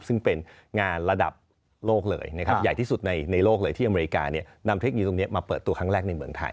ซึ่งเป็นงานระดับโลกเลยนะครับใหญ่ที่สุดในโลกเลยที่อเมริกาเนี่ยนำเทคโนโลตรงนี้มาเปิดตัวครั้งแรกในเมืองไทย